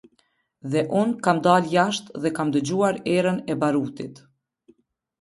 Dhe unë kam dal jashtë dhe kam dëgjuar erën e barutit.